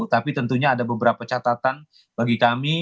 tapi tentunya ada beberapa catatan bagi kami